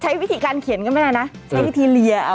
ใช้วิธีการเขียนก็ไม่ได้นะใช้วิธีเลีย